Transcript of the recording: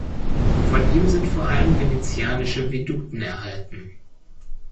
Von ihm sind vor allem venezianische Veduten erhalten.